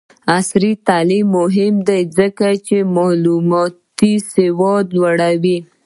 عصري تعلیم مهم دی ځکه چې معلوماتي سواد لوړوي.